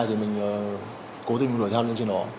thì mình cố tình hửa theo lên trên đó